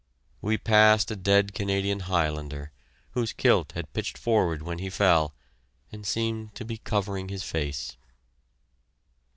We passed a dead Canadian Highlander, whose kilt had pitched forward when he fell, and seemed to be covering his face.